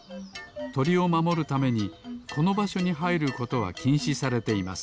とりをまもるためにこのばしょにはいることはきんしされています。